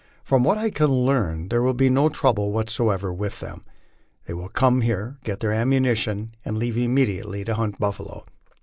From what I can learn there will be no trouble whatever with them. They will come here, get their ammunition and leave im aiediately to hunt buftalo.